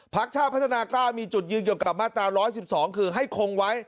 ชาติพัฒนากล้ามีจุดยืนเกี่ยวกับมาตรา๑๑๒คือให้คงไว้